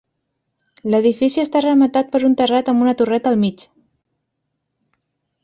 L'edifici està rematat per un terrat amb una torreta al mig.